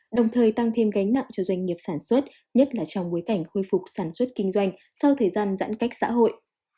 đồng thời tăng thêm gánh nặng cho doanh nghiệp sản xuất nhất là trong bối cảnh khôi phục sản xuất kinh doanh sau thời gian giãn cách xã hội